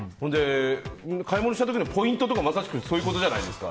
買い物した時のポイントとかまさしくそうじゃないですか。